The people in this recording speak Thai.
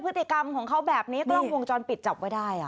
พฤติกรรมของเขาแบบนี้กล้องวงจรปิดจับไว้ได้